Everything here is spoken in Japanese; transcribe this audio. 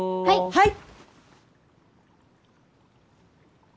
はい！